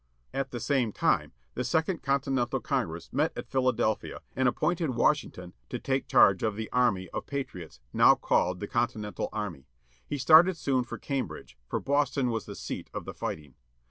At the same time the second Continental Congress met at Philadelphia and appointed Washington to take charge of the army of patriots, now called the Con tinental army. He started soon for Cambridge, for Boston was the seat of the fighting.